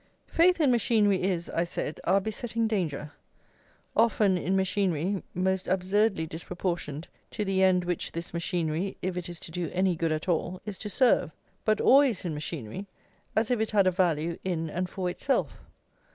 Faith in machinery is, I said, our besetting danger; often in machinery most absurdly disproportioned to the end which this machinery, if it is to do any good at all, is to serve; but always in machinery, as if it had a value in and for itself.